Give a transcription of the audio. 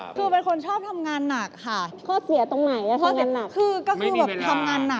คือเป็นคนชอบทำงานหนักค่ะ